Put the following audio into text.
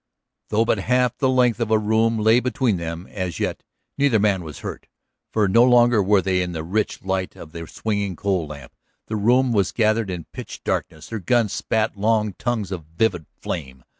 Though but half the length of a room lay between them, as yet, neither man was hurt. For no longer were they in the rich light of the swinging coal oil lamp; the room was gathered in pitch darkness; their guns spat long tongues of vivid flame.